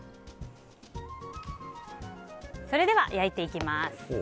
それでは焼いていきます。